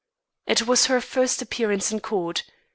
It was her first appearance in court.